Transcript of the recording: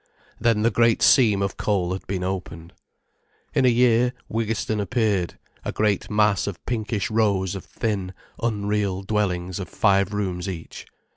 Then the great seam of coal had been opened. In a year Wiggiston appeared, a great mass of pinkish rows of thin, unreal dwellings of five rooms each.